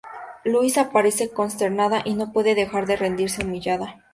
Lois aparece consternada y no puede dejar de sentirse humillada.